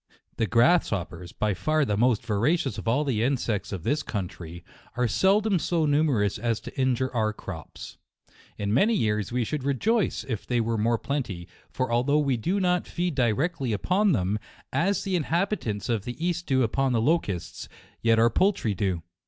The grasshoppers, by far the most vora cious of all the insects of this country, are seldom so numerous as to injure our crops. In many years we should rejoice if they were more plenty, for although we do not feed di rectly upon them, as the inhabitants of the east do upon the locusts, yet our poultry do.